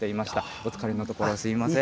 お疲れのところ、すみません。